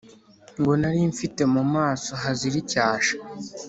ngo nari mfite mu maso hazira icyasha,